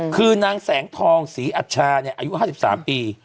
คือนางแสงทองศรีอัชชาอายุ๕๓ปี